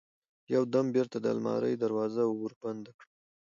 يو دم بېرته د المارى دروازه وربنده کړم.